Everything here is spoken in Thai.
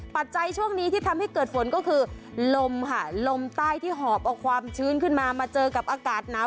ปัจจัยช่วงนี้ที่ทำให้เกิดฝนก็คือลมค่ะลมใต้ที่หอบเอาความชื้นขึ้นมามาเจอกับอากาศหนาว